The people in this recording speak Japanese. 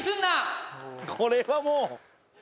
これはもう。